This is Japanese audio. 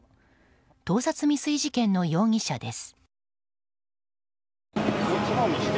盗撮未遂事件の容疑者です。